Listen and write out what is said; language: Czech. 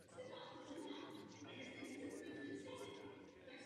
Uprostřed průčelí portál s dekorací a nad ním okno.